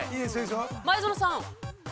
◆前園さん。